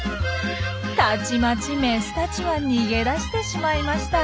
たちまちメスたちは逃げ出してしまいました。